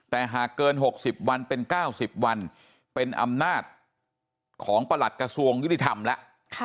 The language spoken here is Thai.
แต่หากเกิน๖๐วันเป็น๙๐วันเป็นอำนาจของประหลัดกระทรวงยุติธรรมแล้ว